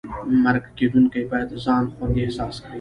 مرکه کېدونکی باید ځان خوندي احساس کړي.